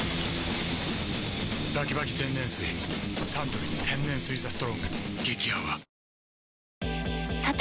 サントリー天然水「ＴＨＥＳＴＲＯＮＧ」激泡さて！